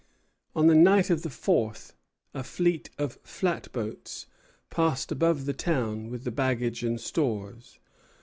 On the night of the fourth a fleet of flatboats passed above the town with the baggage and stores.